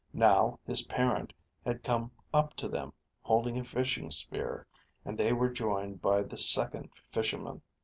Now his parent had come up to them, holding a fishing spear, and they were joined by the Second Fisherman.